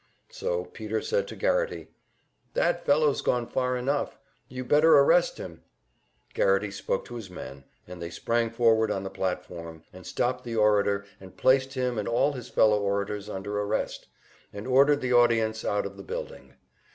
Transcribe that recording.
So Peter said to Garrity: "That fellow's gone far enough. You better arrest him." Garrity spoke to his men, and they sprang forward on the platform, and stopped the orator and placed him and all his fellow orators under arrest, and ordered the audience out of the building.